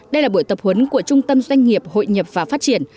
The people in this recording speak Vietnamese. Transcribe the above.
đây là buổi tập huấn của trung tâm doanh nghiệp hội nhập và phát triển